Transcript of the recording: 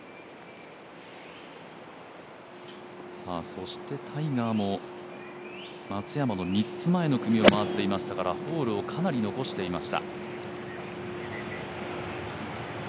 そしてタイガーも、松山の３つ前の組を回っていましたからホールをかなり残していました。